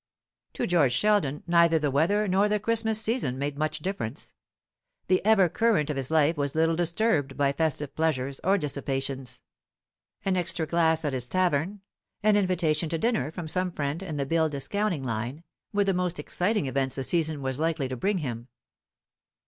To George Sheldon neither the weather nor the Christmas season made much difference. The even current of his life was little disturbed by festive pleasures or dissipations. An extra glass at his tavern, an invitation to dinner from some friend in the bill discounting line, were the most exciting events the season was likely to bring him.